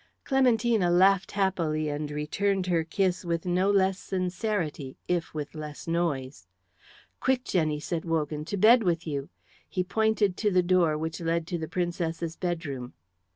Clementina laughed happily and returned her kiss with no less sincerity, if with less noise. "Quick, Jenny," said Wogan, "to bed with you!" He pointed to the door which led to the Princess's bedroom.